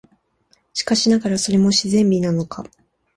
しかしながら、それも自然美なのか、